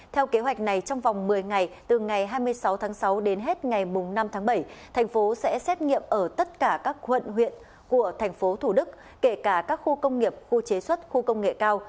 theo kế hoạch này trong vòng một mươi ngày từ ngày hai mươi sáu tháng sáu đến hết ngày năm tháng bảy thành phố sẽ xét nghiệm ở tất cả các quận huyện của thành phố thủ đức kể cả các khu công nghiệp khu chế xuất khu công nghệ cao